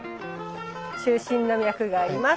中心の脈があります。